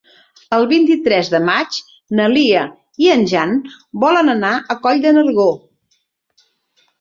El vint-i-tres de maig na Lia i en Jan volen anar a Coll de Nargó.